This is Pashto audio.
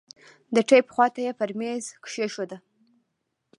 د ټېپ خوا ته يې پر ميز کښېښود.